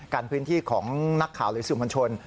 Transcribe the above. การพื้นที่ของนักข่าวหรือสมชน